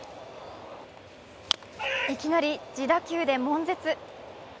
いきなり自打球でもん絶。